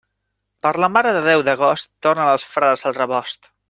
Per la Mare de Déu d'agost, tornen els frares al rebost.